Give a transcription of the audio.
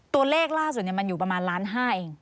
ตัวเลขล่าสุดมันอยู่ประมาณล้านห้าเอง